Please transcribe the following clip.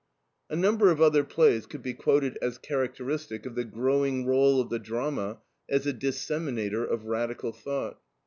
A number of other plays could be quoted as characteristic of the growing role of the drama as a disseminator of radical thought.